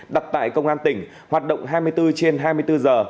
đặt tại công an tỉnh hoạt động hai mươi bốn trên hai mươi bốn giờ